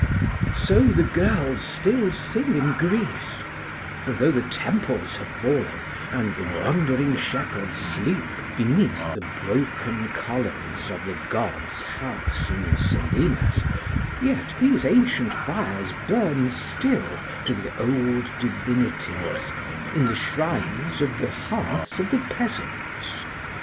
So the girls still sing in Greece, for though the Temples have fallen, and the wandering shepherds sleep beneath the broken columns of the god's house in Selinus, yet these ancient fires burn still to the old divinities in the shrines of the hearths of the peasants.